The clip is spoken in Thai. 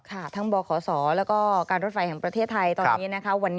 ค่ะทั้งบขศแล้วก็การรถไฟแห่งประเทศไทยตอนนี้นะคะ